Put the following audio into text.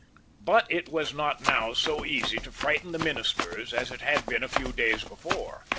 But it was not now so easy to frighten the ministers as it had been a few days before.